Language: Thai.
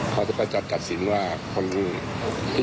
เขาจะไปจัดตัดสินว่าคนดู